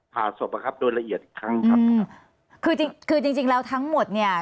ผ่าศพอะครับโดยละเอียดอีกครั้งครับคือจริงคือจริงจริงแล้วทั้งหมดเนี่ย